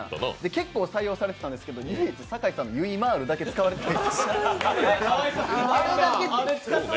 結構、採用されてたんですけど、酒井さんのユイマールだけ使われなかった。